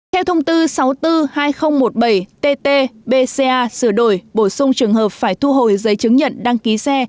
theo thông tư sáu trăm bốn mươi hai nghìn một mươi bảy tt bca sửa đổi bổ sung trường hợp phải thu hồi giấy chứng nhận đăng ký xe